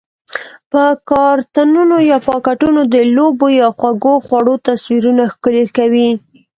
په کارتنونو یا پاکټونو د لوبو یا خوږو خوړو تصویرونه ښکلي کوي؟